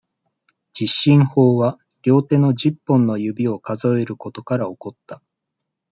十進法は、両手の十本の指を数えることから起こった。